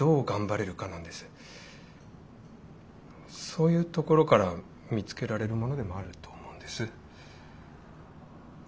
そういうところから見つけられるものでもあると思うんです。